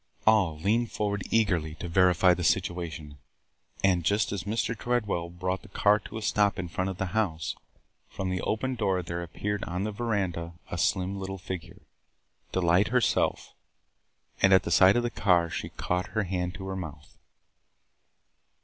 All leaned forward eagerly to verify the situation, and, just as Mr. Tredwell brought the car to a stop in front of the house, from the open door there appeared on the veranda a slim little figure – Delight herself – and at sight of the car, she caught her hand to her mouth!